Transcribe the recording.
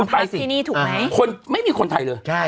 มาพักที่นี่ถูกไหมคุณไปสิคนไม่มีคนไทยเลย